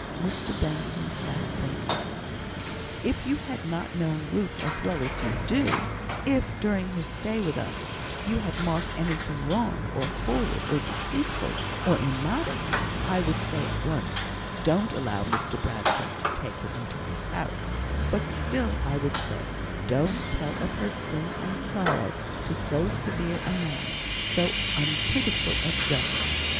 Mr Benson sat thinking. "If you had not known Ruth as well as you do if during her stay with us you had marked anything wrong, or forward, or deceitful, or immodest, I would say at once, 'Don't allow Mr Bradshaw to take her into his house;' but still I would say, 'Don't tell of her sin and her sorrow to so severe a man so unpitiful a judge.'